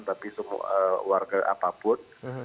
tapi semua warga apapun